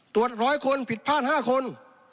ตรวจ๑๐๐คนผิดพลาด๕คน